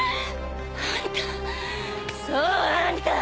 あんたそうあんた！